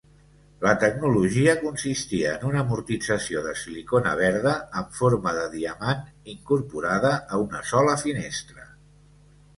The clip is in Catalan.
La tecnologia consistia en una amortització de silicona verda amb forma de diamant incorporada a una sola finestra.